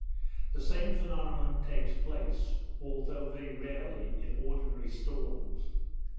The same phenomenon takes place, although very rarely, in ordinary storms.